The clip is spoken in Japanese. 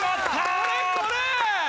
これこれ！